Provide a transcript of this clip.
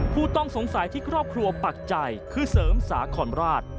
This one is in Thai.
ผู้ต้องสงสัยที่ครอบครัวปักใจคือเสริมสาครราช